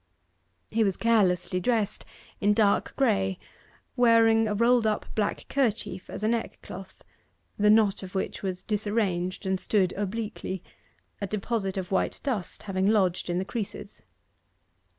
He was carelessly dressed in dark grey, wearing a rolled up black kerchief as a neck cloth; the knot of which was disarranged, and stood obliquely a deposit of white dust having lodged in the creases.